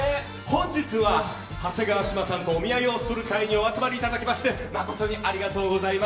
本日は長谷川志麻さんとお見合いをする会にお集まりいただきまして誠にありがとうございます。